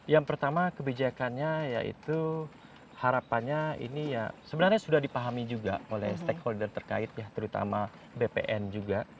yang pertama kebijakannya yaitu harapannya ini ya sebenarnya sudah dipahami juga oleh stakeholder terkait ya terutama bpn juga